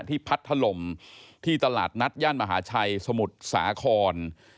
พัดถล่มที่ตลาดนัดย่านมหาชัยสมุทรสาคร